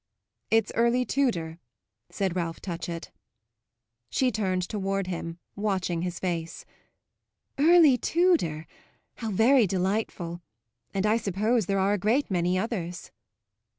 "It's early Tudor," said Ralph Touchett. She turned toward him, watching his face. "Early Tudor? How very delightful! And I suppose there are a great many others."